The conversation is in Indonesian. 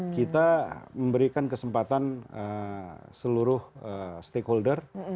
kita memberikan kesempatan seluruh stakeholder